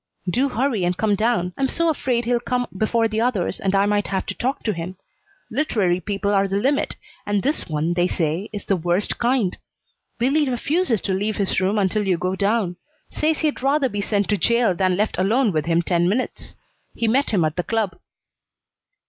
"Do hurry and come down. I'm so afraid he'll come before the others, and I might have to talk to him. Literary people are the limit, and this one, they say, is the worst kind. Billy refuses to leave his room until you go down; says he'd rather be sent to jail than left alone with him ten minutes. He met him at the club."